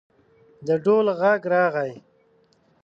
د ډول غږ راغی.